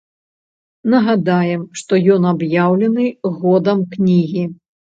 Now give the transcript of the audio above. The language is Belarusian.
Нагадаем, што ён аб'яўлены годам кнігі.